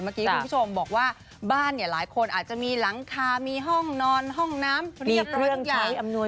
เมื่อกี้คุณผู้ชมบอกว่าบ้านเนี่ยหลายคนอาจจะมีหลังคามีห้องนอนห้องน้ำเรียบร้อย